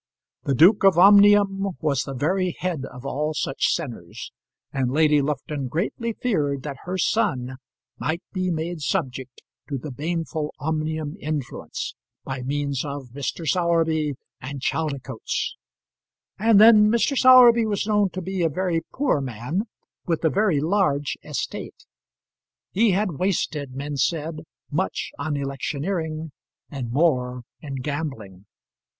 The Duke of Omnium was the very head of all such sinners, and Lady Lufton greatly feared that her son might be made subject to the baneful Omnium influence, by means of Mr. Sowerby and Chaldicotes. And then Mr. Sowerby was known to be a very poor man, with a very large estate. He had wasted, men said, much on electioneering, and more in gambling.